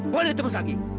boleh ditemus lagi